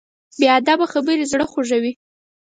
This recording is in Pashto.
بې ادبه خبرې زړه خوږوي.